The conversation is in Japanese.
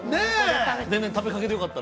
◆全然、食べかけてよかったら。